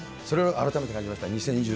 それを改めて感じました。